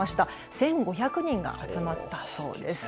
１５００人が集まったそうです。